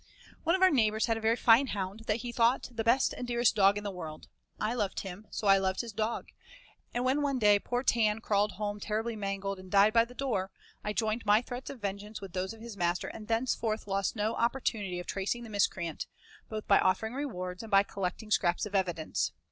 One of our neighbors had a very fine hound that he thought the best and dearest dog in the world. I loved him, so I loved his dog, and when one day poor Tan crawled home terribly mangled and died by the door, I joined my threats of vengeance with those of his master and thenceforth lost no opportunity of tracing the miscreant, both by offering rewards and by collecting scraps of evidence.